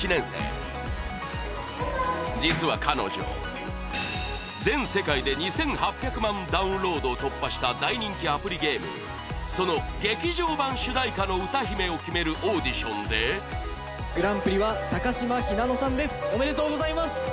実は彼女全世界で２，８００万ダウンロードを突破した大人気アプリゲームその劇場版主題歌の歌姫を決めるオーディションでグランプリは高島一菜さんです。